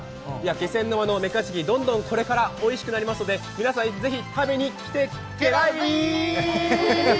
気仙沼のメカジキ、どんどんこれからおいしくなりますので皆さん、ぜひ食べにきてけらに。